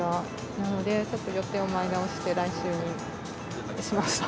なので、ちょっと予定を前倒しして、来週にしました。